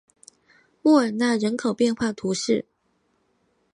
莫尔纳人口变化图示